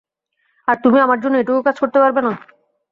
আর তুমি আমার জন্য, এইটুকু কাজ করতে পারবেনা।